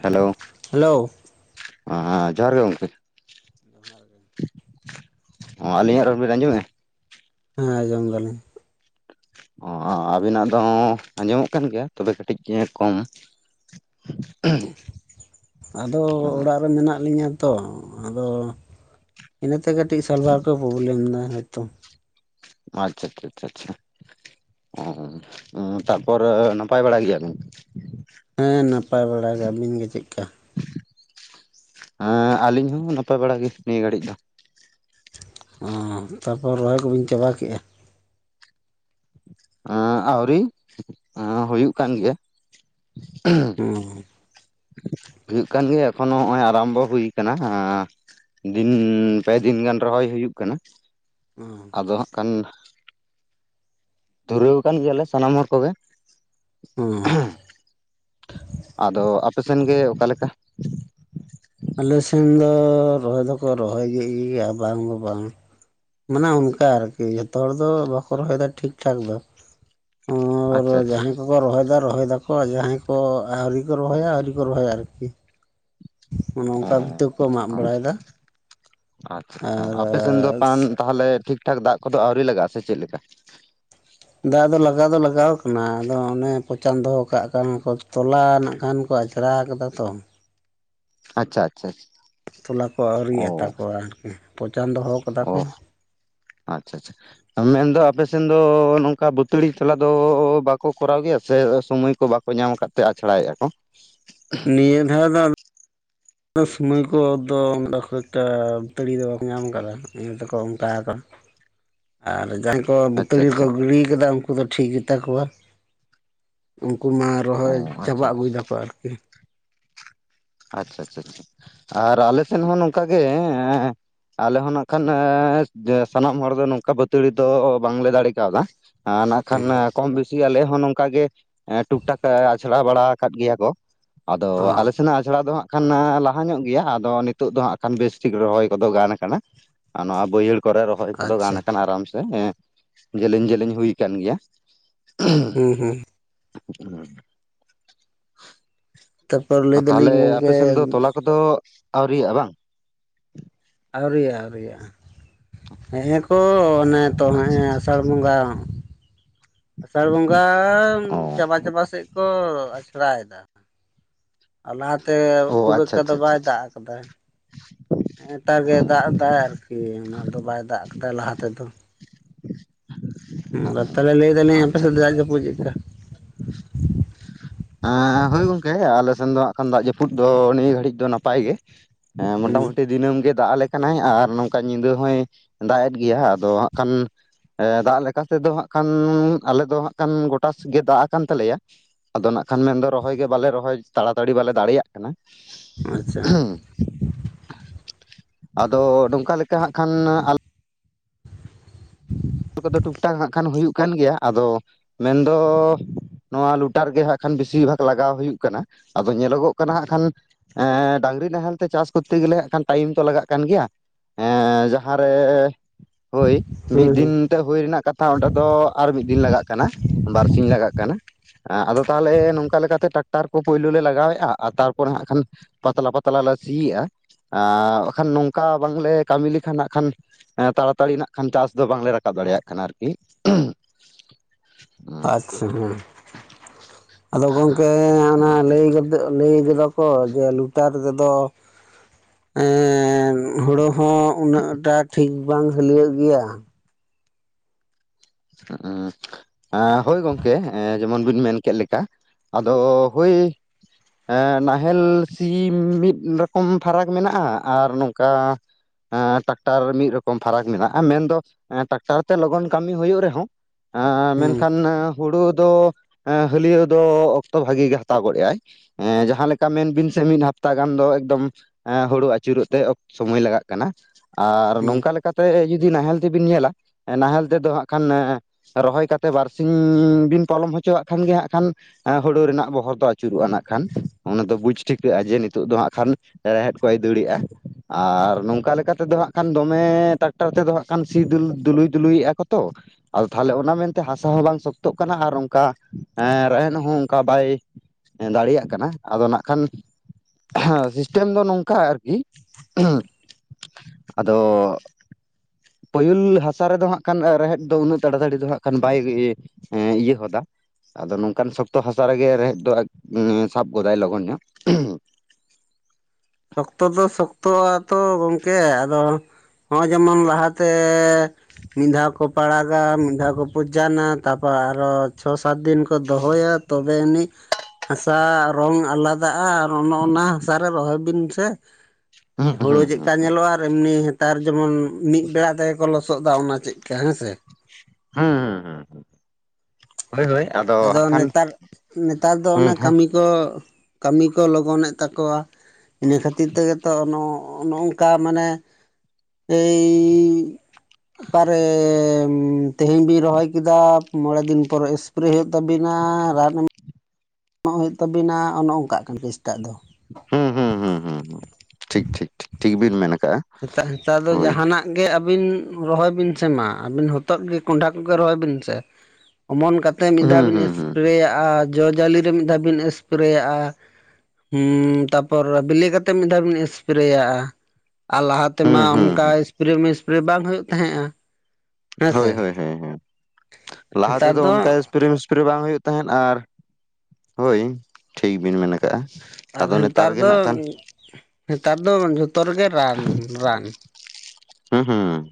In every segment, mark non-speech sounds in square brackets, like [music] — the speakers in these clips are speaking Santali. ᱦᱮᱞᱳ ᱦᱮᱞᱳ ᱦᱮᱸ ᱡᱚᱦᱟᱨ ᱜᱮ ᱜᱚᱢᱠᱮ᱾ ᱡᱚᱦᱟᱨ ᱜᱮ ᱟᱹᱞᱤᱧᱟᱜ ᱨᱚᱲ ᱵᱤᱱ ᱟᱸᱡᱚᱢ ᱢᱮᱜᱼᱟ? ᱦᱮᱸ ᱟᱸᱡᱚᱢ ᱫᱟᱞᱤᱧ᱾ ᱚ ᱟᱵᱤᱱᱟᱜ ᱫᱚ ᱟᱸᱡᱚᱢᱚᱜ ᱠᱟᱱ ᱜᱮᱭᱟ ᱛᱚᱵᱮ ᱠᱟᱹᱴᱤᱡ ᱠᱚᱢ᱾ ᱟᱫᱚ ᱚᱲᱟᱜ ᱨᱮ ᱢᱮᱱᱟᱜ ᱞᱤᱧᱟᱹ ᱛᱚ ᱟᱫᱚ ᱤᱱᱟᱹᱛᱮ ᱠᱟᱹᱴᱡ ᱥᱟᱞᱵᱷᱟᱨ ᱠᱚ ᱯᱨᱚᱵᱞᱮᱢ ᱫᱟ ᱦᱳᱭ ᱛᱚ᱾ ᱟᱪᱪᱷᱟ ᱪᱷᱟ ᱪᱷᱟ ᱪᱷᱟ᱾ ᱚ ᱛᱟᱯᱚᱨᱮ ᱱᱟᱯᱟᱭ ᱵᱟᱲᱟ ᱜᱮᱭᱟᱵᱮᱱ ᱛᱚ? ᱦᱮᱸ ᱱᱟᱯᱟᱭ ᱵᱟᱲᱟ ᱜᱮ, ᱟᱵᱤᱱ ᱜᱮ ᱪᱮᱫᱠᱟ? ᱦᱮᱸ ᱟᱹᱞᱤᱧ ᱦᱚᱸ ᱱᱟᱯᱟᱭ ᱵᱟᱲᱟ ᱜᱮ ᱱᱤᱭᱟᱹ ᱜᱷᱟᱹᱲᱤᱡ ᱫᱚ᱾ ᱚ ᱛᱟᱯᱚᱨ ᱨᱚᱦᱚᱭ ᱠᱚᱵᱤᱱ ᱪᱟᱵᱟ ᱠᱮᱼᱟ? ᱮᱸᱜ ᱟᱣᱨᱤ ᱮᱸ ᱦᱩᱭᱩᱜ ᱠᱟᱱ ᱜᱮᱭᱟ᱾ [unintelligible] ᱦᱩᱸ ᱦᱩᱭᱩᱜ ᱠᱟᱱ ᱜᱮᱭᱟ ᱮᱠᱷᱚᱱᱚ ᱱᱚᱸᱜᱼᱚᱭ ᱟᱨᱟᱢᱵᱚ ᱦᱩᱭ ᱠᱟᱱᱟ ᱟᱸ ᱫᱤᱱ ᱯᱮ ᱫᱤᱱ ᱜᱟᱱ ᱨᱚᱦᱚᱭ ᱦᱩᱭᱩᱜ ᱠᱟᱱᱟ, ᱦᱩᱸ ᱟᱫᱚ ᱦᱟᱸᱜ ᱠᱷᱟᱱ ᱫᱷᱩᱨᱟᱹᱣ ᱠᱟᱱ ᱜᱮᱭᱟᱞᱮ ᱥᱟᱱᱟᱢ ᱦᱚᱲ ᱠᱚᱜᱮ᱾ ᱦᱩᱸ ᱟᱫᱚ ᱟᱯᱮ ᱥᱮᱱ ᱜᱮ ᱚᱠᱟ ᱞᱮᱠᱟ? ᱟᱞᱮ ᱥᱮᱱ ᱫᱚ ᱨᱚᱦᱚᱭ ᱫᱚᱠᱚ ᱨᱚᱦᱚᱭ ᱠᱮᱜ ᱜᱮᱭᱟ ᱵᱟᱝ ᱫᱚ ᱵᱟᱝ ᱢᱟᱱᱮ ᱚᱱᱠᱟ ᱟᱨᱠᱤ ᱡᱷᱚᱛᱚ ᱦᱚᱲ ᱫᱚ ᱵᱟᱠᱚ ᱨᱚᱦᱚᱭᱫᱟ ᱴᱷᱤᱠ ᱴᱷᱟᱠ ᱫᱚ᱾ ᱚ ᱟᱪᱪᱷᱟ ᱟᱪᱪᱷᱟ ᱡᱟᱦᱟᱸᱭ ᱠᱚᱠᱚ ᱨᱚᱦᱚᱭ ᱫᱟ ᱨᱚᱦᱚᱭ ᱫᱟᱠᱚ ᱠᱚ ᱡᱟᱦᱟᱸᱭ ᱠᱚ ᱟᱹᱣᱨᱤ ᱠᱚ ᱨᱚᱦᱚᱭᱟ ᱟᱹᱣᱨᱤ ᱠᱚ ᱨᱚᱦᱚᱭᱟ ᱟᱨᱠᱤ᱾ ᱚᱱᱮ ᱚᱝᱠᱟ ᱵᱷᱤᱛᱟᱹ ᱠᱚ ᱢᱟᱜ ᱟᱪᱪᱷᱟ ᱵᱟᱲᱟᱭᱫᱟ, ᱟᱪᱪᱷᱟ ᱪᱷᱟ ᱪᱷᱟ ᱟᱯᱮ ᱥᱮᱱ ᱫᱚ ᱯᱟᱱ ᱛᱟᱦᱞᱮ ᱴᱷᱤᱠᱼᱴᱷᱟᱠ ᱫᱟᱜ ᱠᱚᱫᱚ ᱟᱹᱣᱨᱤ ᱞᱟᱜᱟᱜᱼᱟ ᱥᱮ ᱪᱮᱫ ᱞᱮᱠᱟ? ᱫᱟᱜ ᱫᱚ ᱞᱟᱜᱟᱣ ᱫᱚ ᱞᱟᱜᱟᱣ ᱠᱟᱱᱟ ᱟᱫᱚ ᱚᱱᱮ ᱯᱚᱪᱟᱱ ᱫᱚᱦᱚ ᱠᱟᱜ ᱠᱟᱱᱟ ᱠᱚ ᱛᱚᱞᱟᱱᱟᱜ ᱠᱷᱟᱱ ᱠᱚ ᱟ ᱪᱷᱟᱲᱟ ᱠᱟᱫᱟ ᱛᱚ᱾ ᱟᱪᱪᱷᱟ ᱟᱪᱷᱟ ᱪᱷᱟ᱾ ᱛᱚᱞᱟ ᱠᱚ ᱟᱹᱣᱨᱤ ᱟᱛᱟᱠᱚᱣᱟ ᱟᱨᱠᱤ ᱯᱚᱪᱟᱱ ᱫᱚᱦᱚ ᱠᱟᱫᱟ ᱠᱚ᱾ ᱟᱪᱪᱷᱟ ᱪᱷᱟ ᱪᱷᱟ᱾ ᱢᱮᱱ ᱫᱚ ᱟᱯᱮ ᱥᱮᱱ ᱫᱚ ᱱᱚᱝᱠᱟ ᱵᱟᱹᱛᱲᱤ ᱛᱚᱞᱟ ᱫᱚ ᱵᱟᱠᱚ ᱠᱚᱨᱟᱣ ᱜᱮᱭᱟ ᱥᱮ ᱥᱚᱢᱚᱭ ᱠᱚ ᱵᱟ ᱠᱚ ᱧᱟᱢ ᱠᱟᱫ ᱛᱮ ᱟᱪᱷᱲᱟᱭᱮᱜᱼᱟ ᱠᱚ? ᱱᱤᱭᱟᱹ ᱫᱷᱟᱣ ᱫᱚ ᱥᱢᱚᱭ ᱠᱚᱫᱚ ᱠᱷᱩᱵ ᱮᱠᱴᱟ ᱵᱟᱹᱛᱟᱹᱲᱤ ᱫᱚ ᱵᱟᱠᱚ ᱧᱟᱢ ᱠᱟᱫᱟ ᱱᱤᱭᱟᱹ ᱛᱮᱠᱚ ᱚᱱᱠᱟ ᱠᱟᱫᱟ᱾ ᱟᱨ ᱡᱟᱦᱟᱸᱭ ᱠᱚ ᱟᱪᱪᱷᱟ ᱵᱟᱹᱛᱟᱹᱲᱤᱠᱚ ᱟᱪᱪᱷᱟ ᱜᱤᱲᱤ ᱠᱟᱫᱟ ᱩᱱᱠᱩ ᱫᱚ ᱴᱷᱤᱠ ᱜᱮᱛᱟ ᱠᱚᱣᱟ᱾ ᱩᱝᱠᱩ ᱢᱟ ᱚ ᱨᱚᱦᱚᱭ ᱪᱟᱵᱟ ᱟᱪᱪᱷᱟ ᱟᱹᱜᱩᱭᱫᱟᱠᱚ ᱟᱨᱠᱤ᱾ ᱟᱪ ᱴᱪᱷᱟ ᱪᱷᱟ ᱪᱷᱟ ᱟᱨ ᱟᱞᱮ ᱥᱮᱱ ᱦᱚᱸ ᱱᱚᱝᱠᱟᱜ ᱜᱮ ᱦᱮᱸ ᱮᱸ ᱟᱞᱮ ᱦᱚᱸ ᱱᱟᱸᱜ ᱠᱷᱟᱱ ᱮᱸ ᱥᱟᱱᱟᱢ ᱦᱚᱲ ᱫᱚ ᱱᱚᱝᱠᱟ ᱵᱟᱹᱛᱟᱹᱲᱤ ᱫᱚ ᱵᱟᱝᱞᱮ ᱫᱟᱲᱮ ᱠᱟᱣᱫᱟ᱾ ᱟ ᱱᱟᱜ ᱠᱷᱟᱱ ᱠᱚᱢ ᱵᱮᱥᱤ ᱟᱞᱮ ᱦᱚᱸ ᱱᱚᱝᱠ ᱜᱮ ᱴᱩᱠ ᱴᱟᱠ ᱟᱪᱷᱲᱟ ᱵᱟᱲᱟ ᱠᱟᱫ ᱜᱮᱭᱟ ᱠᱚ᱾ ᱟᱫᱚ ᱚ ᱟᱞᱮ ᱥᱮᱱᱟᱜ ᱟᱪᱼᱼ ᱟᱪᱷᱟᱲᱟ ᱫᱚ ᱦᱟᱸᱜ ᱠᱷᱟᱱ ᱞᱟᱦᱟ ᱧᱚᱜ ᱜᱮᱭᱟ ᱟᱫᱚ ᱱᱤᱛᱚᱜ ᱫᱚ ᱦᱟᱸᱜ ᱠᱷᱟᱱ ᱵᱮᱥᱴᱷᱤᱠ ᱨᱚᱦᱚᱭ ᱠᱚᱫᱚ ᱜᱟᱱ ᱠᱟᱱᱟ ᱾ ᱟ ᱱᱚᱣᱟ ᱵᱟᱹᱭᱦᱟᱹᱲᱼᱼ ᱠᱚᱨᱮ ᱨᱚᱦᱚᱭ ᱠᱚᱫᱚ ᱜᱟᱱ ᱟᱪᱪᱷᱟ ᱠᱟᱱᱟ ᱟᱨᱟᱢ ᱥᱮ, ᱡᱮᱞᱮᱧ ᱡᱮᱞᱮᱧ ᱦᱩᱭ ᱟᱠᱟᱱ ᱜᱮᱭᱟ ᱾ ᱦᱩᱸ ᱦᱩᱸ ᱦᱸ, [inaudible] ᱛᱟᱨᱯᱚᱨ ᱞᱟᱹᱭ ᱛᱟᱦᱚᱞᱮ ᱫᱟᱞᱤᱧ ᱟᱯᱮ ᱜᱚᱝᱠᱮ ᱥᱮᱱ ᱫᱚ ᱛᱚᱞᱟ ᱠᱚᱫᱚ ᱟᱹᱣᱨᱤᱭᱟᱜᱼᱟ ᱵᱟᱝ? ᱟᱹᱣᱨᱤᱭᱟ ᱟᱹᱣᱨᱤᱭᱟᱜᱼᱟ ᱾ ᱦᱮᱦᱮ ᱠᱚ ᱚ ᱚᱱᱮ ᱛᱚ ᱦᱮ ᱟᱪᱪᱷᱟ ᱟᱥᱟᱲ ᱟᱪᱪᱷᱟ ᱵᱚᱸᱜᱟ ᱾ ᱟᱥᱟᱲ ᱵᱚᱸᱜᱟ ᱚ ᱪᱟᱵᱟ ᱪᱟᱵᱟ ᱥᱮᱫ ᱠᱚ ᱟᱪᱷᱲᱟ ᱮᱫᱟ ᱾ ᱟᱨ ᱞᱟᱦᱟᱛᱮ ᱚ ᱠᱷᱩᱵᱽ ᱟᱪᱪᱷᱟ ᱮᱠᱴᱟ ᱫᱚ ᱟᱪᱪᱷᱟ ᱟᱪᱪᱷᱟ ᱵᱟᱭ ᱫᱟᱜ ᱟᱠᱟᱫᱟ ᱾ ᱱᱮᱛᱟᱨ ᱜᱮ ᱫᱟᱜ ᱮᱫᱟ ᱟᱨᱠᱤ ᱩᱱᱟᱹᱜ ᱫᱚ ᱵᱟᱭ ᱫᱟᱜ ᱟᱠᱟᱫᱟ ᱞᱟᱦᱟ ᱛᱮᱫᱚ ᱾ ᱦᱩᱸ ᱛᱟᱦᱮ ᱞᱟᱹᱭ ᱫᱟᱞᱤᱧ ᱟᱯᱮ ᱟᱪᱪᱷᱟ ᱥᱮᱫ ᱫᱟᱜ ᱡᱟᱹᱯᱩ ᱪᱮᱫ ᱞᱮᱠᱟ? ᱦᱸ ᱦᱚᱭ ᱜᱚᱝᱠᱮ ᱟᱞᱮ ᱥᱮᱱ ᱫᱚ ᱦᱟᱸᱜ ᱠᱷᱟᱱ ᱫᱟᱜ ᱡᱟᱹᱯᱩᱫ ᱫᱚ ᱱᱤᱭᱟᱹ ᱜᱷᱟᱹᱲᱤᱡ ᱫᱚ ᱱᱟᱯᱟᱭ ᱜᱮ ᱾ ᱦᱮᱸ ᱦᱩᱸ ᱢᱚᱴᱟᱢᱩᱴᱤ ᱫᱤᱱᱟᱹᱢ ᱜᱮ ᱫᱟᱜ ᱟᱞᱮᱼᱼ ᱠᱟᱱᱟᱭ, ᱟᱨ ᱱᱚᱝᱠᱟ ᱧᱤᱫᱟᱹ ᱦᱚᱸᱭ ᱫᱟᱜ ᱮᱫ ᱜᱮᱭᱟ ᱾ ᱟᱫᱚ ᱦᱟᱸᱜ ᱠᱷᱟᱱᱼᱼ ᱫᱟᱜ ᱞᱮᱠᱟ ᱛᱮᱫᱚ ᱦᱟᱜ ᱠᱷᱟᱱ ᱟᱞᱮ ᱫᱚ ᱦᱟᱸᱜ ᱠᱷᱟᱱ ᱜᱚᱴᱟ ᱜᱮ ᱫᱟᱜ ᱟᱠᱟᱱ ᱛᱟᱞᱮᱭᱟ ᱾ ᱟᱫᱚ ᱱᱟᱜ ᱠᱷᱟᱱ ᱢᱮᱱᱫᱚ ᱨᱚᱦᱚᱭ ᱜᱮ ᱵᱟᱞᱮ ᱨᱚᱦᱚᱭ ᱛᱟᱲᱟᱛᱟᱲᱤ ᱵᱟᱞᱮ ᱫᱟᱲᱮᱭᱟᱜᱼᱟ ᱾ ᱠᱟᱱᱟ ᱾ [inaudible] ᱟᱪᱪᱷᱟ ᱟᱫᱚ ᱱᱚᱝᱠᱟ ᱞᱮᱠᱟ ᱦᱟᱸᱜ ᱠᱷᱟᱱ ᱟᱞᱮᱼᱼ ᱠᱚᱫᱚ ᱴᱩᱠᱴᱟᱠᱟᱜ ᱠᱷᱟᱱ ᱦᱩᱭᱩᱜ ᱠᱟᱱ ᱜᱮᱭᱟ ᱾ ᱟᱫᱚ ᱢᱮᱱ ᱫᱚᱼᱼ ᱱᱚᱣᱟ ᱞᱩᱴᱟᱨ ᱨᱮᱜᱮ ᱦᱟᱸᱜ ᱠᱷᱟᱱ ᱵᱮᱥᱤᱨ ᱵᱷᱟᱜᱽ ᱞᱟᱜᱟᱣ ᱦᱩᱭᱩᱜ ᱠᱟᱱᱟ, ᱟᱫᱚ ᱧᱮᱞᱚᱜᱚᱜ ᱠᱟᱱᱟ ᱦᱟᱸᱜ ᱠᱷᱟᱱᱼᱼ ᱮᱸ ᱰᱟᱝᱨᱤ ᱱᱟᱦᱮᱞ ᱛᱮ ᱪᱟᱥ ᱠᱚᱨᱛᱮ ᱜᱮᱞᱮ ᱴᱟᱭᱤᱢ ᱛᱚ ᱞᱟᱜᱟᱜ ᱠᱟᱱ ᱜᱮᱭᱟ ᱾ ᱡᱟᱦᱟᱸ ᱨᱮ ᱦᱚᱭ ᱢᱤᱫ, ᱦᱩᱸ ᱦᱩᱸ ᱮᱱᱛᱮ ᱦᱩᱭ ᱨᱮᱱᱟᱜ ᱠᱟᱛᱷᱟ ᱚᱸᱰᱮ ᱫᱚ ᱟᱨ ᱢᱤᱫ ᱫᱤᱱ ᱞᱟᱜᱟᱜ ᱠᱟᱱᱟ ᱵᱟᱨ ᱥᱤᱧ ᱞᱟᱜᱟᱜ ᱠᱟᱱᱟ ᱾ ᱦᱮᱸ ᱟᱫᱚ ᱛᱟᱦᱚᱞᱮ ᱱᱚᱝᱠᱟ ᱞᱮᱠᱟᱛᱮ ᱴᱨᱟᱠᱴᱟᱨ ᱠᱚ ᱯᱩᱭᱞᱳ ᱞᱮ ᱞᱟᱜᱟᱣᱮᱜᱼᱟ ᱾ ᱟᱨ ᱛᱟᱨᱯᱚᱨᱮ ᱦᱟᱸᱜ ᱠᱷᱟᱱᱼᱼ ᱯᱟᱛᱞᱟ ᱯᱟᱛᱞᱟ ᱞᱮ ᱥᱤ ᱮᱭᱟ, ᱟᱨ ᱵᱟᱠᱷᱟᱱ ᱱᱚᱝᱠᱟ ᱵᱟᱝᱞᱮ ᱠᱟᱹᱢᱤ ᱞᱮᱠᱷᱟᱱ ᱟᱠᱷᱟᱱᱼᱼ ᱮᱸ ᱛᱟᱲᱟᱛᱟᱲᱤ ᱱᱟᱜ ᱠᱷᱟᱱ ᱪᱟᱥ ᱫᱚ ᱵᱟᱝᱞᱮ ᱨᱟᱠᱟᱵ ᱫᱟᱲᱮᱭᱟᱜ ᱠᱟᱱᱟ ᱟᱨᱠᱤ ᱾ ᱟᱪᱪᱷᱟ ᱦᱮ [unintelligible] ᱸ ᱟᱫᱚ ᱜᱚᱝᱠᱮ ᱚᱱᱟ ᱞᱟᱹᱭ ᱵᱤᱱ ᱞᱟᱹᱭ ᱠᱟᱫᱟ ᱠᱚ ᱡᱮ ᱞᱩᱴᱟᱨ ᱛᱮᱫᱚ ᱮᱻ ᱦᱩᱲᱩ ᱦᱚᱸ ᱩᱱᱟᱹᱜᱴᱟ ᱴᱷᱤᱠ ᱵᱟᱝ ᱦᱟᱹᱞᱤᱭᱟᱹᱜ ᱜᱮᱭᱟ ᱾ ᱦᱸ ᱟᱪᱪᱷᱟ ᱾ ᱦᱳᱭ ᱜᱚᱝᱠᱮ ᱡᱮᱢᱚᱱ ᱵᱤᱱ ᱢᱮᱱ ᱠᱮᱫ ᱞᱮᱠᱟ, ᱟᱫᱚ ᱦᱳᱭᱼᱼ ᱮᱸ ᱱᱟᱦᱮᱞ ᱥᱤᱢ ᱢᱤᱫ ᱨᱚᱠᱚᱢ ᱯᱷᱟᱨᱟᱠ ᱢᱮᱱᱟᱜᱼᱟ ᱟᱨ ᱱᱚᱝᱠᱟᱼᱼ ᱴᱟᱠᱴᱟᱨ ᱢᱤᱫ ᱨᱚᱠᱚᱢ ᱯᱷᱟᱨᱟᱠ ᱢᱮᱱᱟᱜᱼᱟ, ᱢᱮᱱᱫᱚ ᱴᱟᱠᱴᱟᱨ ᱛᱮ ᱞᱚᱜᱚᱱ ᱠᱟᱹᱢᱤ ᱦᱩᱭᱩᱜᱼᱼ ᱨᱮᱦᱚᱸ, ᱟᱸ ᱦᱩᱸ ᱢᱮᱱᱠᱷᱟᱱᱼᱼ ᱦᱩᱲᱩ ᱫᱚ ᱦᱟᱹᱞᱭᱟᱹᱣ ᱫᱚ ᱚᱠᱛᱚ ᱵᱷᱟᱜᱤ ᱜᱮ ᱦᱟᱛᱟᱣ ᱜᱚᱫᱮᱜᱼᱟᱭ ᱾ ᱮ ᱡᱟᱦᱟᱸ ᱞᱮᱠᱟ ᱢᱮᱱ ᱵᱤᱱ ᱥᱮ ᱢᱤᱫ ᱦᱟᱯᱛᱟ ᱜᱟᱱ ᱫᱚ ᱮᱠᱫᱚᱢᱼᱼ ᱮ ᱦᱩᱲᱩ ᱟᱹᱪᱩᱨᱚᱜ ᱛᱮ ᱥᱚᱢᱚᱭ ᱞᱟᱜᱟᱜ ᱠᱟᱱᱟ ᱾ ᱟᱨ ᱦᱩᱸ ᱱᱚᱝᱠᱟ ᱞᱮᱠᱟᱛᱮ ᱡᱩᱫᱤ ᱱᱟᱦᱮᱞ ᱛᱮᱵᱤᱱ ᱧᱮᱞᱟ ᱱᱟᱦᱮᱞ ᱛᱮᱫᱚ ᱦᱟᱸᱜ ᱠᱷᱟᱱ ᱮᱼᱼ ᱨᱚᱦᱚᱭ ᱠᱟᱛᱮᱫ ᱵᱟᱨᱥᱤᱧ ᱵᱤᱱ ᱯᱚᱞᱚᱢ ᱦᱚᱪᱚᱣᱟᱜ ᱠᱷᱟᱱ ᱜᱮ ᱦᱟᱸᱜ ᱠᱷᱟᱱᱼᱼ ᱦᱩᱲᱩ ᱨᱮᱱᱟᱜ ᱵᱚᱦᱚᱨ ᱫᱚ ᱟᱹᱪᱩᱨᱚᱜᱼᱟ ᱱᱟᱜ ᱠᱷᱟᱱ ᱚᱱᱟ ᱫᱚ ᱵᱩᱡᱽ ᱴᱷᱤᱠᱟᱹᱜᱼᱟ ᱡᱮ ᱱᱤᱛᱚᱜ ᱫᱚ ᱦᱟᱸᱜ ᱠᱷᱟᱱᱼᱼ ᱨᱮᱦᱮᱫ ᱠᱚᱭ ᱫᱟᱹᱲᱮᱜᱼᱟᱭ ᱾ ᱟᱨ ᱱᱚᱝᱠᱟ ᱞᱮᱠᱟᱛᱮ ᱫᱚ ᱦᱟᱸᱜ ᱠᱷᱟᱱ ᱫᱚᱢᱮ ᱴᱟᱠᱴᱟᱨ ᱛᱮᱫᱚ ᱦᱟᱸᱜ ᱠᱷᱟᱱ ᱥᱤ ᱫᱩᱞᱩᱭ ᱫᱩᱞᱩᱭᱮᱫᱼᱟ ᱠᱚ ᱾ ᱛᱚᱼᱼ ᱟᱫᱚ ᱛᱟᱦᱚᱞᱮ ᱚᱱᱟ ᱢᱮᱱᱛᱮ ᱦᱟᱥᱟ ᱦᱚᱸ ᱵᱟᱝ ᱥᱚᱠᱛᱚᱜ ᱠᱟᱱᱟ ᱟᱨ ᱚᱱᱠᱟ ᱮᱨ ᱦᱚᱸ ᱚᱱᱠᱟ ᱵᱟᱭᱼᱼ ᱮᱸ ᱫᱟᱲᱮᱭᱟᱜ ᱠᱟᱱᱟ ᱟᱫᱚ ᱱᱷᱟᱜ ᱠᱷᱟᱱ ᱥᱤᱥᱴᱮᱢ ᱫᱚ ᱱᱚᱝᱠᱟ ᱟᱨ ᱠᱤ [unintelligible] ᱟᱫᱚ ᱯᱟᱹᱦᱤᱞ ᱦᱟᱥᱟ ᱨᱮᱫᱚ ᱦᱟᱸᱜ ᱠᱷᱟᱱ ᱨᱮᱦᱮᱫ ᱫᱚ ᱩᱱᱟᱹᱜ ᱛᱟᱲᱟᱛᱟᱲᱤ ᱫᱚ ᱦᱟᱸᱜ ᱠᱷᱟᱱ ᱵᱟᱭ ᱤᱭᱮ ᱮᱸ ᱤᱭᱟᱹ ᱦᱚᱫᱟ ᱟᱫᱚ ᱱᱚᱝᱠᱟᱱ ᱥᱚᱠᱛᱚ ᱦᱟᱥᱟ ᱨᱮᱜᱮ ᱨᱮᱦᱮᱫ ᱫᱚ ᱥᱟᱵ ᱜᱚᱫᱟᱭ ᱞᱚᱜᱚᱱ ᱧᱚᱜ ᱚᱠᱛᱚ ᱫᱚ ᱥᱚᱠᱛᱚᱣᱟ ᱟᱛᱚ ᱜᱚᱝᱠᱮ ᱟᱫᱚ ᱦᱚᱸ ᱡᱮᱢᱚᱱ ᱞᱟᱦᱟᱛᱮ ᱢᱤᱫ ᱫᱷᱟᱣ ᱠᱚ ᱯᱟᱲᱟᱜᱟ ᱢᱤᱫ ᱫᱷᱟᱣ ᱠᱚ ᱯᱩᱡᱟᱱᱟ ᱛᱟᱯᱚᱨᱮ ᱟᱨᱚ ᱪᱷᱚ ᱥᱟᱛ ᱫᱤᱱ ᱛᱚ ᱫᱚᱦᱚᱭᱟ ᱛᱚᱵᱽ ᱛᱚᱵᱮ ᱟᱹᱱᱤᱜ ᱦᱟᱥᱟ ᱨᱚᱝ ᱟᱞᱟᱫᱟᱜᱼᱟ ᱟᱨ ᱚᱱᱚ ᱚᱱᱟ ᱦᱟᱥᱟ ᱨᱮ ᱨᱚᱦᱚᱭ ᱵᱤᱱ ᱥᱮ ᱦᱩᱸ ᱦᱩᱲᱩ ᱦᱩᱸ ᱦᱩᱸ ᱪᱮᱫᱠᱟ ᱧᱮᱞᱚᱜᱼᱟ᱾ ᱮᱢᱱᱤ ᱦᱮᱛᱟᱨ ᱡᱮᱢᱚᱱ ᱢᱤᱫ ᱵᱮᱲᱟ ᱛᱮᱜᱮ ᱠᱚ ᱞᱚᱥᱚᱫ ᱫᱟ ᱚᱱᱟ ᱪᱮᱫᱠᱟ ᱦᱮᱸᱥᱮ ᱦᱩᱸ ᱦᱩᱸ ᱦᱩᱸ ᱦᱩᱸ ᱦᱳᱭ ᱦᱳᱭ ᱟᱫᱚ ᱟᱫᱚ ᱠᱷᱟᱱ ᱱᱮᱛᱟᱨ ᱱᱮᱛᱟᱨ ᱫᱚ ᱦᱩᱸ ᱚᱱᱟ ᱦᱮᱸ ᱠᱟᱹᱢᱤ ᱠᱚ ᱠᱟᱹᱢᱤ ᱠᱚ ᱞᱚᱜᱚᱱᱮᱫ ᱛᱟᱠᱚᱣᱟ ᱤᱱᱟᱹ ᱠᱷᱟᱹᱛᱤᱨ ᱛᱮᱜᱮ ᱛᱚ ᱱᱚ ᱱᱚᱝ ᱠᱟ ᱢᱟᱱᱮ ᱮᱭ ᱚᱠᱟᱨᱮ ᱛᱮᱦᱮᱧ ᱵᱤᱱ ᱨᱚᱦᱚᱭ ᱠᱮᱫᱟ ᱢᱚᱬᱮ ᱫᱤᱱ ᱯᱚᱨᱮᱥ ᱥᱩᱠᱷᱨᱤ ᱦᱩᱭᱩᱜ ᱛᱟᱹᱵᱤᱱᱟ ᱨᱟᱱ ᱚᱱᱟ ᱦᱩᱭᱩᱜ ᱛᱟᱹᱵᱤᱱᱟ ᱚᱱᱮ ᱚᱱᱠᱟᱜ ᱠᱟᱱᱟ ᱵᱮᱥᱴᱟᱜ ᱫᱚ ᱦᱩᱸ ᱦᱩᱸ ᱦᱩᱸ ᱦᱩᱸ ᱴᱷᱤᱠ ᱴᱷᱤᱠ ᱴᱷᱤᱠ ᱴᱷᱤᱠ ᱵᱤᱱ ᱢᱮᱱ ᱟᱠᱟᱜᱼᱟ᱾ ᱥᱮᱛᱟᱜ ᱥᱮᱛᱟᱜ ᱫᱚ ᱡᱟᱦᱟᱱᱟᱜ ᱜᱮ ᱟᱹᱵᱤᱱ ᱨᱚᱦᱚᱭ ᱵᱤᱱ ᱥᱮ ᱢᱟ ᱟᱹᱵᱤᱱ ᱦᱚᱛᱚᱫ ᱜᱮ ᱠᱚᱸᱰᱦᱟ ᱠᱚᱜᱮ ᱨᱚᱦᱚᱭ ᱵᱤᱱ ᱥᱮ ᱚᱢᱚᱱ ᱠᱟᱛᱮᱫ ᱢᱤᱫ ᱫᱷᱟᱣ ᱦᱩᱸ ᱵᱤᱱ ᱦᱩᱸ ᱦᱩᱸ ᱮᱥᱯᱮᱨᱮᱭᱟᱜᱼᱟ ᱡᱚ ᱡᱟᱹᱞᱤ ᱨᱮ ᱢᱤᱫ ᱫᱷᱟᱣ ᱵᱤᱱ ᱮᱥᱯᱮᱨᱮᱭᱟᱜᱼᱟ᱾ ᱦᱩᱸ ᱛᱟᱯᱚᱨ ᱵᱤᱞᱤ ᱠᱟᱛᱮᱜ ᱢᱤᱫ ᱫᱷᱟᱣ ᱵᱮᱱ ᱮᱥᱯᱮᱨᱮᱭᱟᱜᱼᱟ᱾ ᱟᱨ ᱞᱟᱦᱟ ᱦᱩᱸ ᱛᱮᱢᱟ ᱦᱩᱸ ᱚᱱᱠᱟ ᱦᱩᱸ ᱮᱥᱯᱮᱨᱮ ᱢᱟ ᱮᱥᱯᱮᱨᱮ ᱵᱟᱝ ᱦᱩᱭᱩᱜ ᱛᱟᱦᱮᱸᱜᱼᱟ᱾ ᱦᱮᱸᱥᱮ ᱦᱳᱭ ᱦᱳᱭ ᱦᱮᱸ ᱦᱮᱸ ᱞᱟᱦᱟ ᱱᱮᱛᱟᱨ ᱛᱮᱫᱚ ᱫᱚ ᱚᱱᱠᱟᱭ ᱮᱥᱯᱮᱨᱮ ᱢᱤᱥᱯᱮᱨᱮ ᱵᱟᱝ ᱦᱩᱭᱩᱜ ᱛᱟᱦᱮᱸᱫ ᱟᱨ ᱦᱳᱭ ᱴᱷᱤᱠ ᱵᱤᱱ ᱢᱮᱱ ᱟᱠᱟᱜᱼᱟ᱾ ᱟᱨ ᱟᱫᱚ ᱱᱮᱛᱟᱨ ᱵᱷᱮᱸᱛᱟᱨ ᱜᱮ ᱫᱚ ᱱᱟᱜ ᱠᱷᱟᱱ ᱱᱮᱛᱟᱨ ᱫᱚ ᱡᱚᱛᱚ ᱨᱮᱜᱮ ᱨᱟᱱ ᱨᱟᱱ ᱦᱮᱸ ᱦᱮᱸ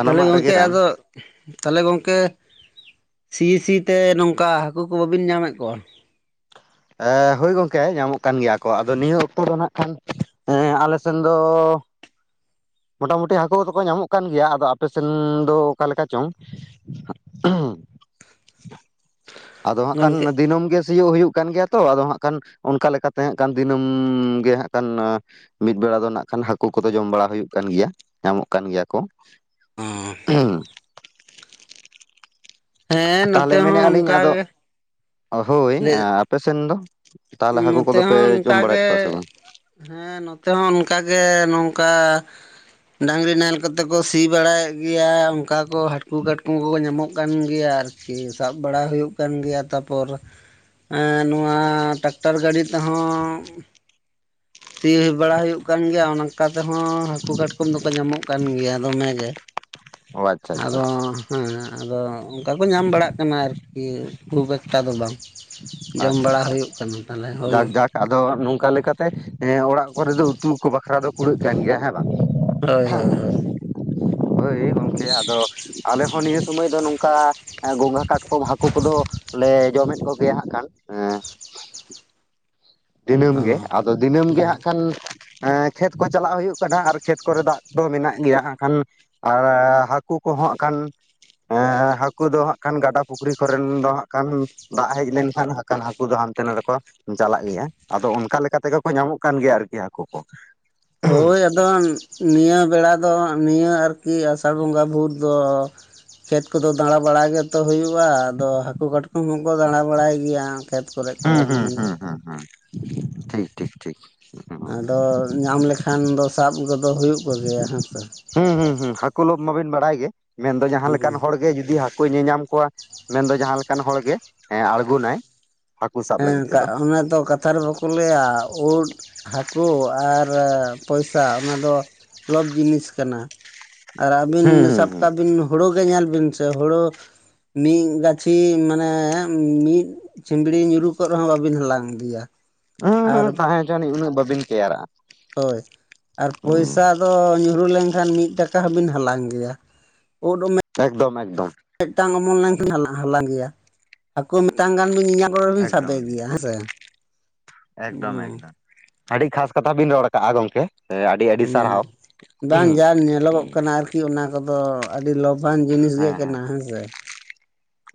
[inaudible] ᱛᱟᱦᱚᱞᱮ ᱨᱮᱜᱮ ᱜᱚᱝᱠᱮ ᱨᱟᱱ ᱟᱫᱚ ᱛᱟᱦᱚᱞᱮ ᱜᱚᱝᱠᱮ ᱥᱤ ᱥᱤ ᱛᱮ ᱱᱚᱝᱠᱟ ᱦᱟᱹᱠᱩ ᱠᱚ ᱵᱟᱹᱵᱤᱱ ᱧᱟᱢᱮᱫ ᱠᱚᱣᱟ᱾ ᱮ ᱦᱳᱭ ᱜᱚᱝᱠᱮ ᱧᱟᱢᱚᱜ ᱠᱟᱱ ᱜᱮᱭᱟ ᱠᱚ ᱟᱫᱚ ᱱᱤᱭᱟᱹ ᱚᱠᱛᱚ ᱫᱚ ᱱᱷᱟᱜ ᱠᱷᱟᱱ ᱮᱸ ᱟᱞᱮ ᱥᱮᱱ ᱫᱚ ᱢᱚᱴᱟᱢᱩᱴᱤ ᱦᱟᱠᱚ ᱠᱚᱫᱚ ᱠᱚ ᱧᱟᱢᱚᱜ ᱠᱟᱱ ᱜᱮᱭᱟ ᱟᱫᱚ ᱟᱯᱮ ᱥᱮᱱ ᱫᱚ ᱚᱠᱟ ᱞᱮᱠᱟ ᱪᱚᱝ [unintelligible] ᱟᱫᱚ ᱦᱟᱸᱜ ᱠᱷᱟᱱ ᱜᱚᱝᱠᱮ ᱫᱤᱱᱟᱹᱢ ᱜᱮ ᱥᱤᱭᱳᱜ ᱦᱩᱭᱩᱜ ᱠᱟᱱ ᱜᱮᱭᱟ ᱛᱚ ᱟᱫᱚ ᱦᱟᱸᱜ ᱠᱷᱟᱱ ᱚᱱᱠᱟ ᱞᱮᱠᱟᱛᱮ ᱦᱟᱸᱜ ᱠᱷᱟᱱ ᱫᱤᱱᱟᱹᱢ ᱜᱮ ᱦᱟᱸᱜ ᱠᱷᱟᱱ ᱢᱤᱫ ᱵᱮᱲᱟ ᱫᱚ ᱱᱷᱟᱜ ᱠᱷᱟᱱ ᱦᱟᱹᱠᱩ ᱠᱚᱫᱚ ᱡᱚᱢ ᱵᱟᱲᱟ ᱦᱩᱭᱩᱜ ᱠᱟᱱ ᱜᱮᱭᱟ ᱧᱟᱢᱚᱜ ᱠᱟᱱ ᱜᱮᱭᱟ ᱠᱚ ᱚ [unintelligible] ᱦᱮᱸ ᱱᱚᱛᱮ ᱛᱟᱦᱚᱞᱮ ᱢᱮᱱᱮᱫ ᱦᱚᱸ ᱟᱹᱞᱤᱧ ᱚᱱᱠᱟ ᱟᱫᱚ ᱜᱮ ᱦᱳᱭ ᱟᱸ ᱟᱯᱮ ᱥᱮᱱ ᱫᱚ ᱛᱟᱦᱚᱞᱮ ᱦᱟᱹᱠᱩ ᱱᱚᱛᱮ ᱠᱚᱫᱚ ᱯᱮ ᱦᱚᱸ ᱡᱚᱢ ᱚᱱᱠᱟ ᱵᱟᱲᱟᱭᱮᱫ ᱜᱮ ᱠᱚᱣᱟ ᱥᱮ ᱵᱟᱝ ᱦᱮᱸ ᱱᱚᱛᱮ ᱦᱚᱸ ᱚᱱᱠᱟ ᱜᱮ ᱱᱚᱝᱠᱟ ᱰᱟᱹᱝᱨᱤ ᱱᱟᱦᱮᱞ ᱠᱚᱛᱮ ᱠᱚ ᱥᱤ ᱵᱟᱲᱟᱭᱮᱫ ᱜᱮᱭᱟ ᱚᱱᱠᱟ ᱠᱚ ᱦᱟᱹᱴᱠᱩ ᱠᱟᱴᱠᱚᱢ ᱠᱚᱠᱚ ᱧᱟᱢᱚᱜ ᱠᱟᱱ ᱜᱮᱭᱟ ᱟᱨ ᱠᱤ ᱥᱟᱵᱽ ᱵᱟᱲᱟ ᱦᱩᱭᱩᱜ ᱠᱟᱱ ᱜᱮᱭᱟ ᱛᱟᱯᱚᱨ ᱮᱸ ᱱᱚᱣᱟ ᱴᱟᱠ ᱴᱟᱨ ᱜᱟᱹᱲᱤ ᱛᱮᱦᱚᱸ ᱥᱤ ᱵᱟᱲᱟ ᱦᱩᱭᱩᱜ ᱠᱟᱱ ᱜᱮᱭᱟ ᱚᱱᱟ ᱚᱱᱠᱟ ᱛᱮᱦᱚᱸ ᱦᱟᱹᱠᱩ ᱠᱟᱴᱠᱚᱢ ᱫᱚᱠᱚ ᱧᱟᱢᱚᱜ ᱠᱟᱱ ᱜᱮᱭᱟ ᱫᱚᱢᱮ ᱚ ᱟᱪᱪᱷᱟ ᱟᱪᱪᱷᱟ ᱟᱫᱚ ᱟᱪᱪᱷᱟ ᱦᱮᱸ ᱟᱫᱚ ᱚᱱᱠᱟ ᱠᱚ ᱧᱟᱢ ᱵᱟᱲᱟ-ᱜ ᱠᱟᱱᱟ ᱟᱨᱠᱤ ᱠᱷᱩᱵ ᱮᱠᱴᱟ ᱫᱚ ᱵᱟᱝ᱾ ᱡᱚᱢ ᱟᱪᱪᱷᱟ ᱵᱟᱲᱟ ᱟᱪᱪᱷᱟ ᱦᱳᱭᱳᱜ ᱠᱟᱱᱟ᱾ ᱛᱟᱦᱚᱞᱮ ᱦᱳᱭ ᱡᱟᱠ ᱡᱟᱠ ᱟᱫᱚ ᱱᱚᱝᱠᱟ ᱞᱮᱠᱟᱛᱮ ᱮᱸ ᱚᱲᱟᱜ ᱠᱚᱨᱮ ᱫᱚ ᱩᱛᱩ ᱠᱚ ᱵᱟᱠᱷᱨᱟ ᱫᱚ ᱠᱩᱲᱟᱹᱜ ᱠᱟᱱ ᱜᱮᱭᱟ ᱦᱮ ᱦᱳᱭ ᱦᱳᱭ ᱦᱳᱭ᱾ ᱦᱳᱭ ᱜᱚᱢᱠᱮ ᱟᱫᱚ ᱟᱞᱮ ᱦᱚᱸ ᱱᱤᱭᱟᱹ ᱥᱚᱢᱚᱭ ᱫᱚ ᱱᱚᱝᱠᱟ᱾ ᱜᱚᱸᱜᱷᱟ ᱠᱟᱴᱠᱚᱢ ᱦᱟᱠᱳ ᱠᱚᱫᱚ ᱞᱮ ᱡᱚᱢᱮᱫ ᱠᱚᱜᱮᱭᱟ ᱦᱟᱸᱜ ᱠᱷᱟᱱ ᱮᱸ᱾ ᱫᱤᱱᱟᱹᱢ ᱚ ᱜᱮ ᱟᱫᱚ ᱫᱤᱱᱟᱹᱢ ᱜᱮ ᱦᱩᱸ ᱦᱟᱸᱜ ᱠᱷᱟᱱ᱾ ᱮᱸ ᱠᱷᱮᱛ ᱠᱚ ᱪᱟᱞᱟᱜ ᱦᱳᱭᱳᱜ ᱠᱟᱱᱟ ᱟᱨ ᱠᱷᱮᱛ ᱠᱚᱨᱮ ᱫᱟᱜ ᱫᱚ ᱢᱮᱱᱟᱜ ᱜᱮᱭᱟ ᱦᱟᱸᱜ ᱠᱷᱟᱱ᱾ ᱟᱨ ᱦᱟᱠᱩ ᱠᱚᱦᱚᱸ ᱟᱸᱜ ᱠᱷᱟᱱ᱾ ᱮᱸ ᱦᱟᱠᱩ ᱫᱚ ᱦᱟᱸᱜ ᱠᱷᱟᱱ ᱜᱟᱰᱟ ᱯᱩᱠᱷᱨᱤ ᱠᱚᱨᱮᱱ ᱫᱚ ᱦᱟᱸᱜ ᱠᱷᱟᱱ᱾ ᱫᱟᱜ ᱦᱮᱡ ᱞᱮᱱᱠᱷᱟᱱ ᱦᱟᱠᱟ ᱦᱟᱠᱩ ᱫᱚ ᱦᱟᱱᱛᱮ ᱱᱟᱛᱮ ᱠᱚ ᱪᱟᱞᱟᱜ ᱜᱮᱭᱟ᱾ ᱟᱫᱚ ᱚᱱᱠᱟ ᱞᱮᱠᱟ ᱛᱮᱜᱮ ᱠᱚ ᱧᱟᱢᱚᱜ ᱠᱟᱱ ᱜᱮᱭᱟ ᱟᱨᱠᱤ ᱦᱟᱠᱳ ᱠᱚ᱾ ᱦᱳᱭ ᱟᱫᱚ ᱱᱤᱭᱟᱹ ᱵᱮᱲᱟ ᱫᱚ ᱱᱤᱭᱟᱹ ᱟᱨᱠᱤ ᱟᱥᱟᱲ ᱵᱚᱸᱜᱟ ᱵᱷᱩᱨ᱾ ᱫᱚ ᱠᱷᱮᱛ ᱠᱚᱫᱚ ᱫᱟᱸᱬᱟ ᱵᱟᱲᱟᱭ ᱜᱮᱛᱚ ᱦᱩᱭᱩᱜᱼᱟ ᱟᱫᱚ ᱦᱟᱠᱩ ᱠᱟᱴ ᱦᱚᱸ ᱠᱚ ᱫᱟᱸᱬᱟ ᱵᱟᱲᱟᱭ ᱜᱮᱭᱟ᱾ ᱠᱷᱮᱛ ᱠᱚᱨᱮ ᱠᱚᱫᱚ ᱦᱩᱸ ᱦᱩᱸ ᱱᱤᱭᱟᱹ᱾ ᱦᱩᱸ ᱦᱩᱸ ᱦᱩᱸ ᱴᱷᱤᱠ ᱴᱷᱤᱠ ᱴᱷᱤᱠ᱾ ᱟᱫᱚ ᱧᱟᱢ ᱞᱮᱠᱷᱟᱱ ᱫᱚ ᱥᱟᱵ ᱠᱚᱫᱚ ᱦᱳᱭᱳᱜ ᱠᱚᱜᱮᱭᱟ ᱦᱮᱸᱥᱮ᱾ ᱦᱩᱸ ᱦᱩᱸ ᱦᱩᱸ ᱦᱟᱠᱩ ᱞᱳᱵᱷ ᱢᱟᱵᱤᱱ ᱵᱟᱲᱟᱭ ᱜᱮ ᱢᱮᱱᱫᱚ ᱡᱟᱸᱦᱟ ᱦᱩᱸ ᱞᱮᱠᱟᱱ ᱦᱚᱲ ᱜᱮ ᱡᱩᱫᱤ ᱦᱟ ᱠᱩᱭ ᱧᱮᱧᱟᱢ ᱠᱚᱣᱟ ᱢᱮᱱᱫᱚ ᱡᱟᱸᱦᱟ ᱞᱮᱠᱟᱱ ᱦᱚᱲ ᱜᱮ ᱮᱸ ᱟᱸᱬᱜᱳᱱᱟ-ᱭ᱾ ᱦᱮᱸ ᱠᱟ ᱚᱱᱟ ᱫᱚ ᱠᱟᱛ ᱱᱮᱛᱟᱨ ᱵᱟᱠᱩ ᱞᱟᱹᱭᱟ ᱩᱫ ᱦᱟᱠᱩ ᱟᱨ ᱯᱚᱭᱥᱟ ᱚᱱᱟ ᱫᱚ᱾ ᱞᱚᱵᱽ ᱡᱤᱱᱤᱥ ᱠᱟᱱᱟ ᱟᱨ ᱟᱵᱤᱱ ᱦᱩᱸ ᱦᱩᱸ ᱥᱟᱵ ᱦᱩᱸ ᱥᱟᱵ ᱵᱤᱱ ᱦᱳᱲᱳ ᱜᱮ ᱧᱮᱞ ᱵᱤᱱ ᱥᱮ ᱦᱳᱲᱳ᱾ ᱢᱤᱜ ᱜᱟᱪᱷᱤ ᱢᱟᱱᱮ ᱢᱤᱜ ᱪᱷᱤᱢᱲᱤ ᱧᱩ ᱧᱩᱨᱩ ᱠᱚᱜ ᱨᱮᱦᱚᱸ ᱵᱟᱵᱤᱱ ᱦᱟᱞᱟᱝ ᱤᱫᱤᱭᱟ᱾ ᱩᱸᱦᱩ ᱩᱸᱦᱩ ᱟᱨ ᱛᱟᱸᱦᱮ ᱦᱚᱪᱚᱱᱤᱡ ᱩᱱᱟᱹᱜ ᱵᱟᱵᱤᱱ ᱠᱮᱭᱟᱨᱟᱜ-ᱟ᱾ ᱦᱳᱭ ᱟᱨ ᱯᱚᱭᱥᱟ ᱫᱚ ᱧᱩᱨᱩ ᱞᱮᱱᱠᱷᱟᱱ ᱢᱤᱫ ᱴᱟᱠᱟ ᱦᱚᱸᱵᱤᱱ ᱦᱟᱞᱟᱝ ᱜᱮᱭᱟ ᱩᱫ ᱮᱠᱫᱚᱢ ᱮᱠᱫᱚᱢ᱾ ᱢᱮᱜᱴᱟᱝ ᱚᱢᱚᱱ ᱞᱮᱱᱠᱷᱟᱱ ᱦᱟᱞᱟ ᱦᱟᱞᱟᱝ ᱜᱮᱭᱟ᱾ ᱦᱟᱠᱩ ᱢᱮᱴᱟᱝ ᱜᱟᱱ ᱵᱤᱱ ᱧᱮᱧᱟᱢ ᱠᱚ [unintelligible] ᱥᱟᱵᱮ ᱮᱠᱫᱚᱢ ᱜᱮᱭᱟ ᱦᱮᱸᱥᱮ᱾ ᱟᱰᱤ ᱠᱷᱟᱥ ᱠᱟᱛᱷᱟ ᱵᱤᱱ ᱨᱚᱲ ᱠᱟᱜ-ᱟ ᱜᱚᱢᱠᱮ᱾ ᱟᱹᱰᱤ ᱟᱹᱰᱤ ᱩᱸ ᱥᱟᱨᱦᱟᱣ ᱦᱮᱸ ᱵᱟᱝ ᱡᱟ ᱧᱮᱞᱚᱜᱚᱜ ᱦᱮᱸ ᱠᱟᱱᱟ ᱟᱨ ᱠᱤ ᱚᱱᱟ ᱠᱚᱫᱚ ᱟᱰᱤ ᱞᱚᱵᱷᱟᱱ ᱡᱤᱱᱤᱥ ᱜᱮ ᱠᱟᱱᱟ ᱦᱮᱸ ᱥᱮ᱾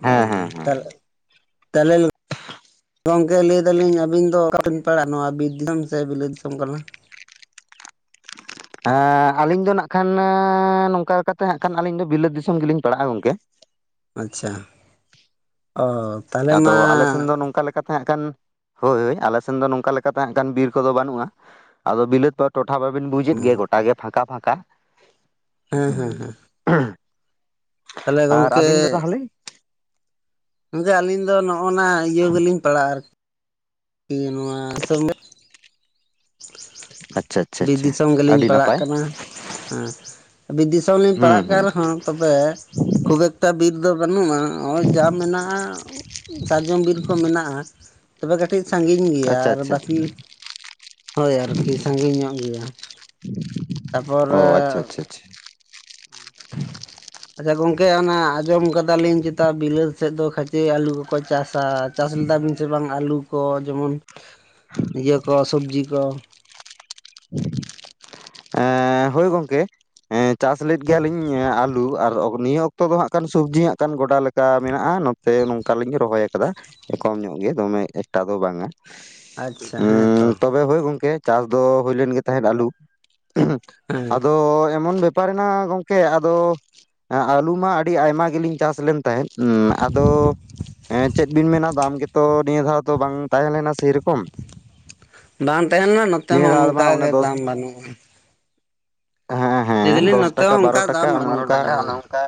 ᱦᱮᱸ ᱚᱸ ᱦᱮᱸ ᱦᱮᱸ ᱛᱟᱞ ᱛᱟᱞᱦᱮ᱾ ᱜᱚᱢᱠᱮ ᱞᱟᱹᱭ ᱫᱟᱞᱤᱧ ᱟᱹᱵᱤᱱ ᱫᱚ ᱚᱠᱟᱵᱤᱱ ᱯᱟᱲᱟᱜ-ᱟ ᱱᱚᱣᱟ ᱵᱤᱨ ᱫᱤᱥᱚᱢ ᱥᱮ ᱵᱤᱞᱟᱹᱛ ᱫᱤᱥᱚᱢ ᱠᱟᱱᱟ? ᱟᱸ ᱟᱞᱤᱧ ᱫᱚ ᱱᱟᱜ ᱠᱷᱟᱱ ᱟᱻ ᱱᱚᱝᱠᱟ ᱞᱮᱠᱟᱛᱮ ᱦᱟᱸᱜ ᱠᱷᱟᱱᱞᱤᱧ ᱵᱤᱞᱟᱹᱛ ᱫᱤᱥᱚᱢ ᱜᱮᱞᱤᱧ ᱯᱟᱲᱟᱜ-ᱟ ᱜᱚᱝᱠᱮ᱾ ᱟᱪ-ᱪᱷᱟ ᱚ ᱛᱟᱦᱞᱮ ᱢᱟ ᱠᱟᱛᱷᱟ ᱦᱟᱸᱜ ᱠᱷᱟᱱ ᱦᱳᱭ ᱟᱞᱮ ᱥᱮᱱ ᱫᱚ ᱱᱚᱝᱠᱟ ᱞᱮᱠᱟᱛᱮ ᱟᱸᱜ ᱠᱷᱟᱱ ᱵᱤᱨ ᱠᱚᱫᱚ ᱵᱟᱱᱩᱜ-ᱟ ᱟᱫᱚ ᱵᱤᱞᱟᱹᱛ᱾ ᱴᱚᱴᱷᱟ ᱵᱟᱵᱤᱱ ᱵᱩᱡᱮᱫ ᱦᱮᱸ ᱜᱮᱭᱟ ᱜᱚᱴᱟ ᱜᱮ ᱯᱷᱟᱸᱠᱟ ᱯᱷᱟᱸᱠᱟ᱾ ᱦᱮᱸ ᱦᱮᱸ ᱛᱟᱦᱚᱞᱮ ᱟᱨ ᱜᱚᱝᱠᱮ ᱟᱵᱤᱱ ᱫᱚ ᱛᱟᱦᱞᱮ? ᱜᱚᱝᱠᱮ ᱟᱞᱤᱧ ᱫᱚ ᱱᱚᱜ-ᱱᱟ ᱤᱭᱟᱹ ᱜᱮᱞᱤᱧ ᱯᱟᱲᱟᱜ-ᱟ ᱟᱨ ᱠᱤ ᱱᱚᱣᱟ ᱥᱚ [unintelligible] ᱵᱤᱨ ᱟᱪᱪᱷᱟ ᱫᱤᱥᱚᱢ ᱜᱮᱞᱤᱧ ᱟᱹᱰᱤ ᱯᱟᱲᱟᱜ ᱱᱟᱯᱟᱭ ᱠᱟᱱᱟ ᱦᱮᱸ ᱵᱤᱨ ᱫᱤᱥᱚᱢ ᱞᱤᱧ ᱦᱩᱸ ᱯᱟᱲᱟᱜ ᱠᱟᱱ ᱦᱩᱸ ᱨᱮᱦᱚᱸ᱾ ᱛᱚᱵᱮ ᱠᱷᱩᱵ ᱮᱠᱴᱟ ᱵᱤᱨ ᱫᱚ ᱵᱟᱱᱩᱜ-ᱟ ᱦᱚᱸᱜ-ᱚᱭ ᱡᱟ ᱢᱮᱱᱟᱜ-ᱟ᱾ ᱥᱟᱨᱡᱚᱢ ᱵᱤᱨ ᱠᱚ ᱢᱮᱱᱟᱜ-ᱟ, ᱛᱚᱵᱮ ᱠᱟᱹᱴᱤᱡ ᱥᱟᱺᱜᱤᱧ ᱜᱮᱭᱟ ᱟᱪᱪᱷᱟ ᱟᱨ ᱟᱪᱪᱷᱟ ᱵᱟᱹᱠᱤ ᱦᱳᱭ ᱟᱨᱠᱤ ᱥᱟᱺᱜᱤᱧᱚᱜ ᱜᱮᱭᱟ᱾ ᱚ ᱛᱟᱯᱚᱨᱮ [inaudible] ᱛᱚᱵᱮ ᱜᱚᱝᱠᱮ ᱚᱱᱟ ᱟᱸᱡᱚᱢ ᱠᱟᱫᱟᱞᱤᱧ ᱪᱮᱛᱟ ᱵᱤᱞᱟᱹᱛ ᱥᱮᱫ ᱫᱚ ᱠᱷᱟᱪᱮ ᱟᱹᱞᱩ ᱠᱚᱠᱚ ᱪᱟᱥᱟ᱾ ᱪᱟᱥ ᱞᱮᱫᱟᱵᱤᱱ ᱥᱮ ᱵᱟᱝ ᱟᱹᱞᱩ ᱠᱚ, ᱡᱮᱢᱚᱱ ᱤᱭᱟᱹ ᱠᱚ ᱥᱚᱵᱽᱡᱤ ᱠᱚ? ᱮᱸᱻ ᱦᱳᱭ ᱜᱚᱝᱠᱮ ᱦᱮᱸ ᱪᱟᱥ ᱞᱮᱫ ᱜᱮᱭᱟᱞᱤᱧ ᱟᱹᱞᱩ, ᱟᱨ ᱱᱤᱭᱟᱹ ᱚᱠᱛᱚ ᱫᱚ ᱦᱟᱸᱜ ᱠᱷᱟᱱ ᱥᱚᱵᱽᱡᱤ ᱦᱟᱸᱜ ᱠᱷᱟᱱ ᱜᱚᱰᱟ ᱞᱮ ᱠᱟ ᱢᱮᱱᱟᱜ-ᱟ ᱱᱚᱛᱮ ᱱᱚᱝᱠᱟ ᱞᱤᱧ ᱨᱚᱦᱚᱭ ᱟᱠᱟᱫᱟ ᱠᱚᱢ ᱧᱚᱜ ᱜᱮ, ᱫᱚᱢᱮ ᱮᱠᱴᱟ ᱫᱚ ᱵᱟᱝᱟ᱾ ᱟᱪᱪᱷᱟ ᱦᱮᱸ ᱛᱚ᱾ ᱦᱳᱭ ᱦᱳᱭ ᱜᱚᱝᱠᱮ, ᱪᱟᱥ ᱫᱚ ᱦᱩᱭᱞᱮᱱ ᱜᱮ ᱛᱟᱦᱮᱸᱫ ᱟᱹᱞᱩ᱾ ᱦᱮᱸ ᱟᱫᱚ ᱮᱢᱚᱱ ᱵᱮᱯᱟᱨᱮᱱᱟ ᱜᱚᱝᱠᱮ ᱟᱫᱚ ᱦᱮᱸ ᱟᱹᱞᱩ ᱢᱟ ᱟᱹᱰᱤ ᱟᱭᱢᱟ ᱜᱮᱞᱤᱧ ᱪᱟᱥ ᱞᱮᱱ ᱛᱟᱦᱮᱸᱫ, ᱩᱸᱻ ᱟᱫᱚ ᱮᱸᱻ, ᱪᱮᱫ ᱵᱤᱱ ᱢᱮᱱᱟ ᱫᱟᱢ ᱜᱮᱛᱚ ᱱᱤᱭᱟᱹ ᱫᱷᱟᱣ ᱫᱚ ᱵᱟᱝ ᱛᱟᱦᱮᱸ ᱞᱮᱱᱟ ᱥᱮᱨᱚᱠᱚᱢ᱾ ᱵᱟᱝ ᱛᱟᱦᱮᱸ ᱞᱮᱱᱟ ᱱᱚᱛᱮ ᱱᱤᱭᱟᱹ ᱦᱚᱸ ᱫᱷᱟᱣ ᱢᱟ ᱚᱱᱠᱟᱜ ᱚᱱᱮ ᱜᱮ ᱫᱚᱥ ᱫᱟᱢ ᱵᱟᱹᱱᱩᱜ-ᱟ᱾ ᱦᱮᱸ ᱦᱮᱸ ᱫᱟᱞᱤᱧ ᱫᱚᱥ ᱱᱚᱛᱮ ᱴᱟᱠᱟ, ᱦᱚᱸ ᱵᱟᱨᱚ ᱚᱱᱠᱟ ᱴᱟᱠᱟ ᱫᱟᱢ ᱚᱱᱮ ᱵᱟᱹᱱᱩᱜᱼᱟ ᱚᱝᱠᱟ ᱟᱹᱞᱩ ᱫᱚ᱾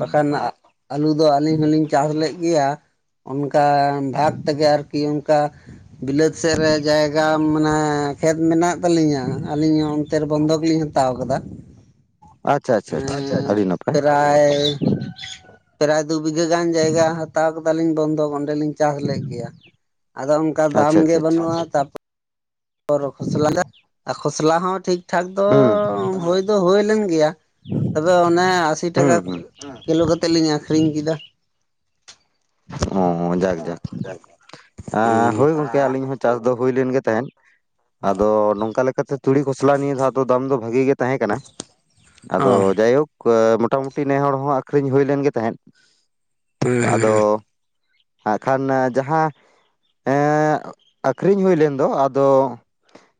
ᱵᱟᱠᱷᱟᱱ ᱟᱹᱞᱩ ᱫᱚ ᱟᱹᱞᱤᱧ ᱦᱚᱸᱞᱤᱧ ᱪᱟᱥ ᱞᱮᱫ ᱜᱮᱭᱟ᱾ ᱚᱱᱠᱟ ᱵᱷᱟᱜᱽ ᱛᱮᱜᱮ ᱟᱨᱠᱤ, ᱚᱱᱠᱟ ᱵᱤᱞᱟᱹᱛ ᱥᱮᱫ ᱨᱮ ᱡᱟᱭᱜᱟ ᱢᱟᱱᱮ ᱠᱷᱮᱛ ᱢᱮᱱᱟᱜ ᱛᱟᱹᱞᱤᱧᱟ, ᱟᱹᱞᱤᱧ ᱦᱚᱸ ᱚᱱᱛᱮ ᱨᱮ ᱵᱚᱱᱫᱷᱚᱠ ᱞᱤᱧ ᱦᱟᱛᱟᱣ ᱠᱟᱫᱟ᱾ ᱟᱪᱪᱷᱟ ᱟᱪᱪᱷᱟ ᱟᱪᱪᱷᱟ ᱦᱮᱸ, ᱟᱹᱰᱤ ᱱᱟᱯᱟᱭ ᱯᱨᱟᱭ ᱯᱨᱟᱭ ᱫᱩ ᱵᱤᱜᱷᱟᱹ ᱜᱟᱱ ᱡᱟᱭᱜᱟ ᱦᱟᱛᱟᱣ ᱠᱟᱫᱟᱞᱤᱧ ᱵᱚᱱᱫᱷᱚᱠ ᱚᱸᱰᱮᱞᱤᱧ ᱪᱟᱥ ᱞᱮᱫ ᱜᱮᱭᱟ᱾ ᱟᱫᱚ ᱚᱱᱠᱟ ᱫᱟᱢ ᱟᱪᱪᱷᱟ ᱜᱮ ᱟᱪᱪᱷᱟ ᱟᱪᱪᱷᱟ ᱵᱟᱹᱱᱩᱜᱼᱟ ᱛᱟᱯᱚᱨ [unintelligible] ᱠᱷᱚᱥᱞᱟ, ᱟᱨ ᱠᱷᱚᱥᱞᱟ ᱦᱚᱸ ᱴᱷᱤᱠ ᱴᱷᱟᱠ ᱫᱚ ᱦᱩᱸ ᱦᱩᱭ ᱫᱚ ᱦᱩᱭ ᱞᱮᱱ ᱜᱮᱭᱟ, ᱛᱚᱵᱮ ᱚᱱᱮ ᱟᱥᱤ ᱴᱟᱠᱟ ᱦᱩᱸ ᱦᱩᱸ ᱠᱤᱞᱳ ᱠᱟᱛᱮᱜ ᱞᱤᱧ ᱟᱠᱷᱨᱤᱧ ᱠᱮᱫᱟ᱾ ᱚᱻ ᱡᱟᱠ ᱡᱟᱠ᱾ ᱟᱻ ᱦᱳᱭ ᱜᱚᱝᱠᱮ ᱟᱹᱞᱤᱧ ᱦᱚᱸ ᱪᱟᱥ ᱫᱚ ᱦᱩᱭ ᱞᱮᱱ ᱜᱮ ᱛᱟᱦᱮᱸᱫ᱾ ᱟᱫᱚ ᱱᱚᱝᱠᱟ ᱞᱮᱠᱟᱛᱮ ᱛᱩᱲᱤ, ᱠᱷᱚᱥᱞᱟ ᱱᱤᱭᱟᱹ ᱫᱷᱟᱣ ᱫᱚ ᱫᱟᱢ ᱫᱚ ᱵᱷᱟᱜᱤ ᱜᱮ ᱛᱟᱦᱮᱸ ᱠᱟᱱᱟ᱾ ᱚ ᱟᱫᱚ ᱦᱮᱸ ᱡᱟᱭᱦᱳᱠ ᱢᱳᱴᱟᱢᱩᱴᱤ ᱱᱮ ᱦᱚᱲ ᱦᱚᱸ ᱟᱠᱷᱨᱤᱧ ᱦᱩᱭ ᱞᱮᱱ ᱜᱮ ᱛᱟᱦᱮᱸᱫ᱾ ᱦᱮᱸ ᱦᱮᱸ ᱟᱫᱚ ᱦᱟᱸᱜ ᱠᱷᱟᱱ ᱡᱟᱦᱟᱸ ᱮᱸᱻᱜ, ᱟᱹᱠᱷᱨᱤᱧ ᱦᱩᱭ ᱞᱮᱱ ᱫᱚ ᱟᱫᱚ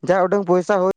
ᱡᱟ ᱩᱰᱟᱹᱝ ᱯᱚᱭᱥᱟ ᱦᱩᱭ